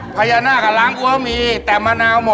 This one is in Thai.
พญานักอะล้างหัวมีแต่มะนาวหมด